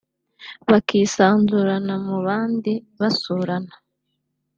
bakisanzura mu bandi basurana